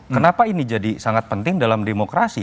kenapa ini jadi sangat penting dalam demokrasi